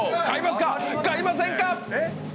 買いませんか？